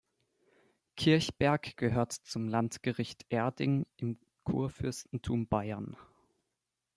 Kirchberg gehörte zum Landgericht Erding im Kurfürstentum Bayern.